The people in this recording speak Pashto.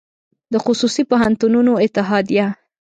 د خصوصي پوهنتونونو اتحادیه